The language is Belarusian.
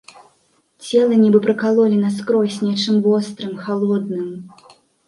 Цела нібы пракалолі наскрозь нечым вострым, халодным.